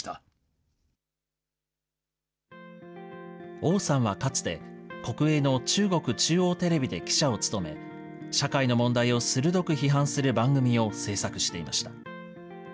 王さんはかつて、国営の中国中央テレビで記者を務め、社会の問題を鋭く批判する番組を制作していました。